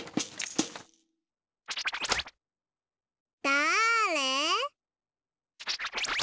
だれ？